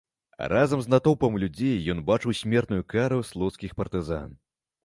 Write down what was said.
Разам з натоўпам людзей ён бачыў смертную кару слуцкіх партызан.